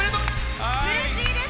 うれしいです。